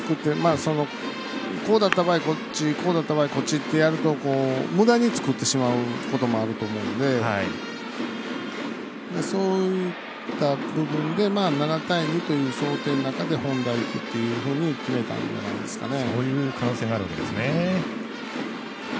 こうだった場合はこっちってやるとむだに作ってしまうこともあると思うのでそういった部分で７対２という想定の中で本田がいくっていうふうに決めたんじゃないですかね。